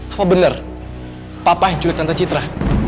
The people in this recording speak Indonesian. apa bener papa yang culik tante citra